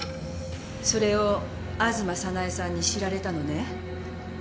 それを吾妻早苗さんに知られたのね。